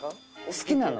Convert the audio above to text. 好きなの。